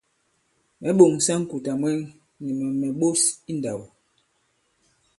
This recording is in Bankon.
Mɛ̌ ɓòŋsa ŋ̀kùtà mwɛŋ, nì mɛ̀ mɛ̀ ɓos i ǹndāw.